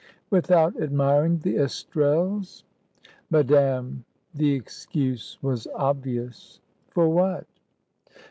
"Without admiring the Estrelles?" "Madame, the excuse was obvious." "For what?"